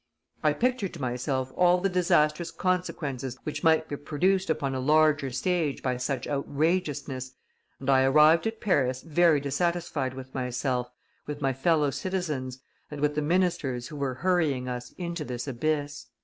I pictured to myself all the disastrous consequences which might be produced upon a larger stage by such outrageousness, and I arrived at Paris very dissatisfied with myself, with my fellow citizens, and with the ministers who were hurrying us into this abyss."